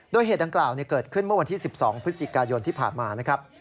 โดยเหตุดังกล่าวเกิดขึ้นเมื่อวันที่๑๒พฤศจิกายนที่ผ่านมานะครับ